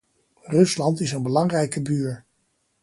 Rusland is een belangrijke buur.